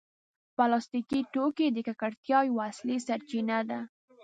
پلاستيکي توکي د ککړتیا یوه اصلي سرچینه ده.